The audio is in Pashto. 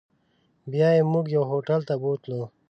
بیا یې موږ یو هوټل ته بوتلو.